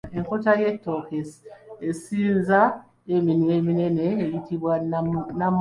Enkota y’Ettooke esinza eminwe eminene eyitibwa Namunwe.